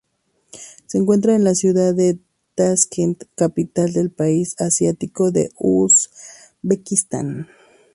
Se encuentra en la ciudad de Taskent la capital del país asiático de Uzbekistán.